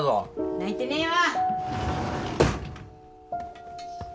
泣いてねえわ！